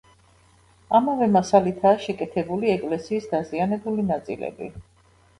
ამავე მასალითაა შეკეთებული ეკლესიის დაზიანებული ნაწილები.